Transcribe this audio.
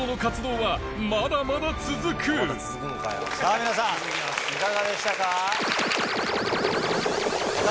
さぁ皆さんいかがでしたか？